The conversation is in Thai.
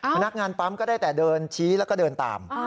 พนักงานปั๊มก็ได้แต่เดินชี้แล้วก็เดินตาม